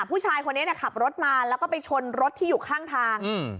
ผู้ชายคนนี้ขับรถมาแล้วก็ไปชนรถที่อยู่ข้างทาง